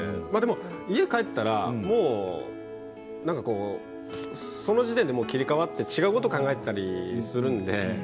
でも家に帰ったら、もうなんかこう、その時点で切り替わって、違うことを考えたりするんで。